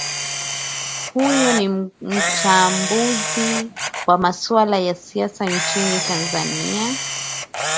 huyo ni mchambuzi wa masuala ya siasa nchini tanzania